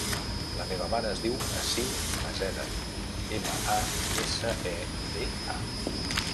La meva mare es diu Assil Maseda: ema, a, essa, e, de, a.